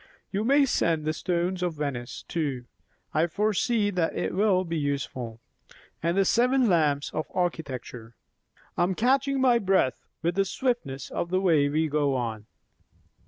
You may send the 'Stones of Venice' too; I foresee that it will be useful; and the 'Seven Lamps of Architecture.' I am catching my breath, with the swiftness of the way we go on.